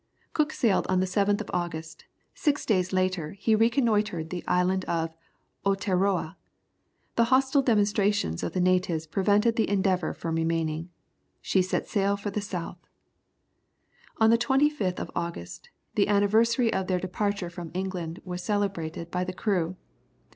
Cook sailed on the 7th of August; six days later he reconnoitred the island of Oteroah. The hostile demonstrations of the natives prevented the Endeavour from remaining. She set sail for the south. On the 25th of August, the anniversary of their departure from England was celebrated by the crew.